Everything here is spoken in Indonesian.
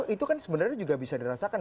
itu kan sebenarnya juga bisa dirasakan